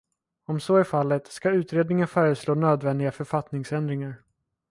Om så är fallet, ska utredningen föreslå nödvändiga författningsändringar.